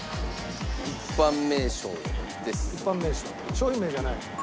商品名じゃない？